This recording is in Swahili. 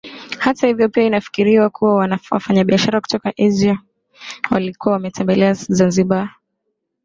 Hata hivyo pia inafikiriwa kuwa wafanyabiashara kutoka Asia walikuwa wametembelea Zanzibar